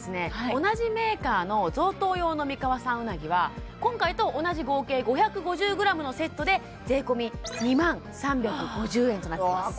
同じメーカーの贈答用の三河産うなぎは今回と同じ合計５５０ｇのセットで税込２万３５０円となってます